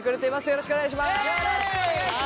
よろしくお願いします。